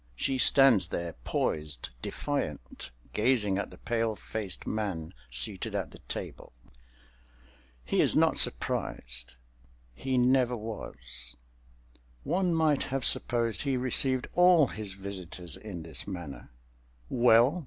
She stands there, poised, defiant, gazing at the pale faced man seated at the table. He is not surprised—he never was. One might have supposed he received all his visitors in this manner. "Well?"